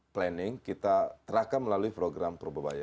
planning kita terakam melalui program pro bobaya